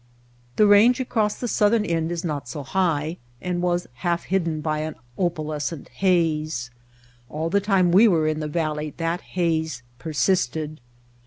The range across the southern end is not so high and was half hidden by an opalescent haze. All the time we were in the valley that haze persisted.